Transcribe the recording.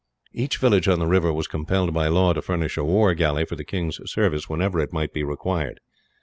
Each village on the river was compelled, by law, to furnish a war galley for the king's service whenever it might be required.